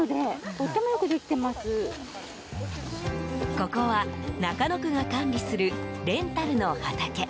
ここは、中野区が管理するレンタルの畑。